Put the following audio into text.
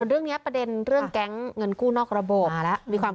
เรื่องเนี้ยประเด็นเรื่องแก๊งเงินกู้นอกระบบมาละมีความ